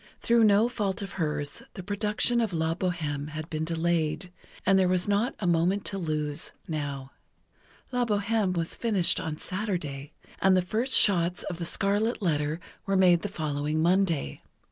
Through no fault of hers, the production of "La Bohême" had been delayed, and there was not a moment to lose, now. "La Bohême" was finished on Saturday, and the first shots of "The Scarlet Letter" were made the following Monday.